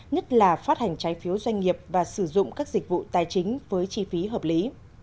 nhất là phát hành trái phiếu doanh nghiệp và sử dụng các dịch vụ tài chính với chi phí hợp lý